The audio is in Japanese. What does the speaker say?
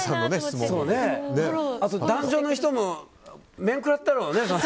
壇上の人も面食らったろうね。